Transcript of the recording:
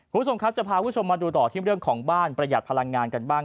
คุณผู้ชมครับจะพาคุณผู้ชมมาดูต่อที่เรื่องของบ้านประหยัดพลังงานกันบ้าง